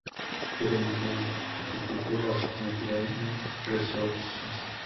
Greenland Institute of Natural Resources".